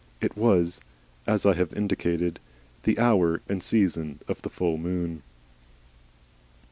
It was, as I have indicated, the hour and season of the full moon.